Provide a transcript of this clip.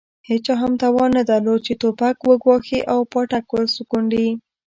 هېچا هم توان نه درلود چې توپک وګواښي او پاټک وسکونډي.